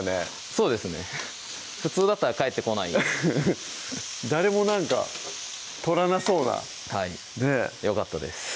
そうですね普通だったら返ってこない誰もなんかとらなそうなはいよかったです